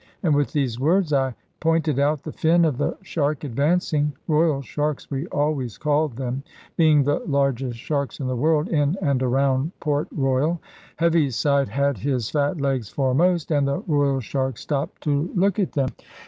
And with these words, I pointed out the fin of the shark advancing. Royal sharks we always called them, being the largest sharks in the world, in and around Port Royal. Heaviside had his fat legs foremost, and the royal shark stopped to look at them.